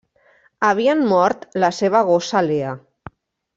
Havien mort la seva gossa Lea.